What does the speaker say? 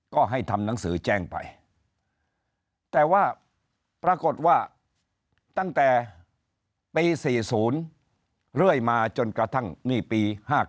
ก็ให้ทำหนังสือแจ้งไปแต่ว่าปรากฏว่าตั้งแต่ปี๔๐เรื่อยมาจนกระทั่งนี่ปี๕๙